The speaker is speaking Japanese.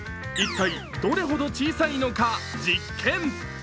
一体どれほど小さいのか実験。